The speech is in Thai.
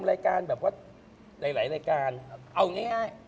แล้วก็ไม่ใช่ออกนี้